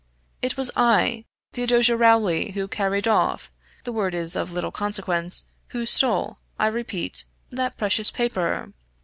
"It was I, Theodosia Rowley, who carried off the word is of little consequence who stole, I repeat, that precious paper.